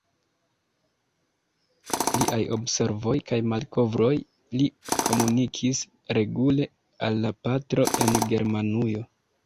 Liaj observoj kaj malkovroj li komunikis regule al la patro en Germanujo.